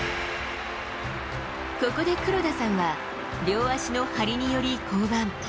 ここで黒田さんは、両脚の張りにより降板。